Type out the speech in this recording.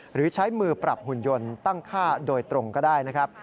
หรือใช้มือปรับหุ่นยนต์ตั้งค่าโดยตรงก็ได้นะครับ